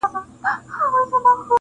مار هغه دم وو پر پښه باندي چیچلى-